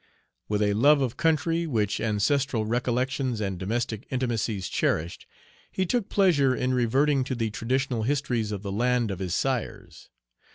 With a love of country which ancestral recollections and domestic intimacies cherished, he took pleasure in reverting to the traditional histories of the land of his sires.